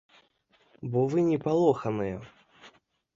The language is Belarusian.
Бо вы не палоханыя.